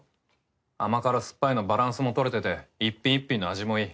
甘辛酸っぱいのバランスも取れてて一品一品の味もいい。